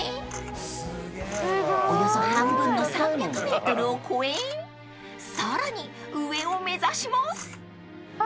［およそ半分の３００ｍを超えさらに上を目指します］